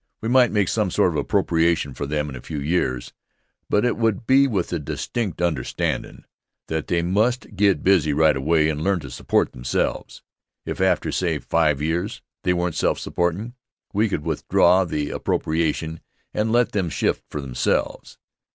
We might make some sort of an appropriation for them for a few years, but it would be with the distinct understandin' that they must get busy right away and learn to support themselves. If, after say five years, they weren't self supportin', we could withdraw the appropriation and let them shift for themselves.